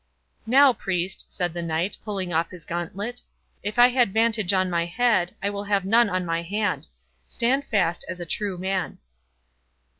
"Now, Priest," said, the Knight, pulling off his gauntlet, "if I had vantage on my head, I will have none on my hand—stand fast as a true man."